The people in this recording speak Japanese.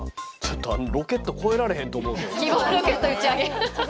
あのロケット超えられへんと思うけど。